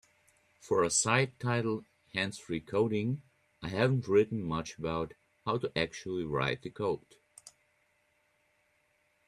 For a site titled Hands-Free Coding, I haven't written much about How To Actually Write The Code.